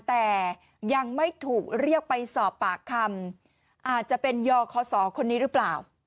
แต่ยังไม่ถูกเรียกไปสอบปากคำอาจจะเป็นยอคศคนนี้หรือเปล่า